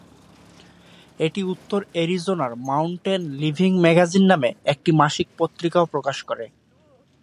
এটি উত্তর অ্যারিজোনার মাউন্টেন লিভিং ম্যাগাজিন নামে একটি মাসিক পত্রিকাও প্রকাশ করে।